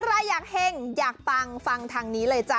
ใครอยากเห็งอยากปังฟังทางนี้เลยจ้ะ